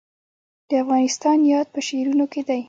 د افغانستان یاد په شعرونو کې دی